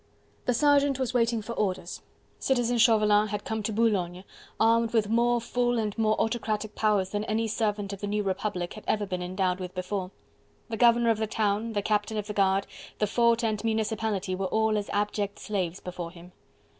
The sergeant was waiting for orders. Citizen Chauvelin had come to Boulogne, armed with more full and more autocratic powers than any servant of the new republic had ever been endowed with before. The governor of the town, the captain of the guard, the fort and municipality were all as abject slaves before him.